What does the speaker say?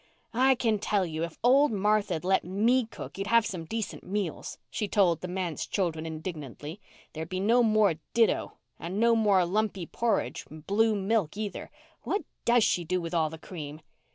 "I can tell you if old Martha'd let me cook you'd have some decent meals," she told the manse children indignantly. "There'd be no more 'ditto'—and no more lumpy porridge and blue milk either. What does she do with all the cream?"